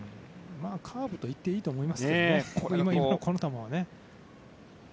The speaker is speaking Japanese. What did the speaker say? カーブといっていいと思いますね、今の球は。